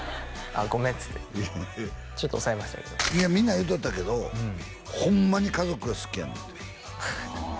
「あっごめん」っつってちょっと抑えましたけどみんな言うとったけどホンマに家族が好きやねんってはあ